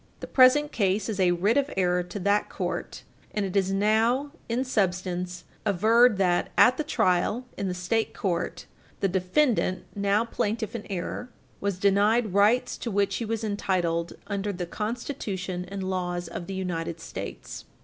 The present case is a writ of error to that court, and it is now, in substance, averred that, at the trial in the State court, the defendant (now plaintiff in error) was denied rights to which he was entitled under the Constitution and laws of the United States.